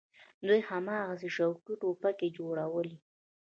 دوى هماغسې شوقي ټوپکې جوړوي.